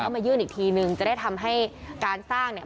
มายื่นอีกทีนึงจะได้ทำให้การสร้างเนี่ย